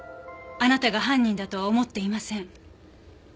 あなたが犯人だとは思っていません。